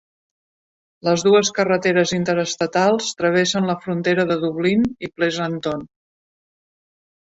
Les dues carreteres interestatals travessen la frontera de Dublin i Pleasanton.